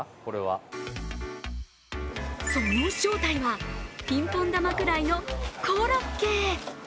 その正体はピンポン玉くらいのコロッケ。